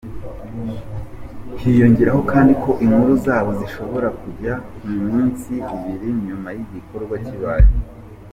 Hiyongeraho kandi ko inkuru zabo zishobora kujyaho nk’iminsi ibiri nyuma y’igikorwa kibaye.